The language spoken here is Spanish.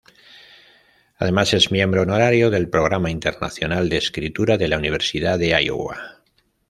Además es Miembro Honorario del Programa Internacional de Escritura de la Universidad de Iowa.